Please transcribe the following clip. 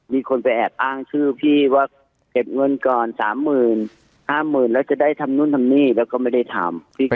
มีคนไปแอบอ้างชื่อพี่ว่าเก็บเงินก่อน๓๐๐๐๕๐๐๐แล้วจะได้ทำนู่นทำนี่แล้วก็ไม่ได้ทำ